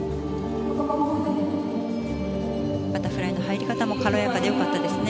バタフライの入り方も軽やかで良かったですね。